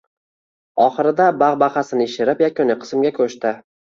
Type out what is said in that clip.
Oxirida bag‘baqasini ishirib, yakuniy qismga ko‘chdi: